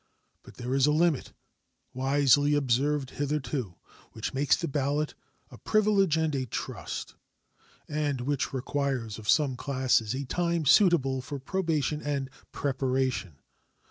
But there is a limit, wisely observed hitherto, which makes the ballot a privilege and a trust, and which requires of some classes a time suitable for probation and preparation.